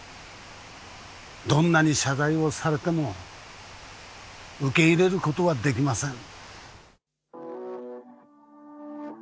どんなに謝罪をされても受け入れることはできません